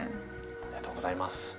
ありがとうございます。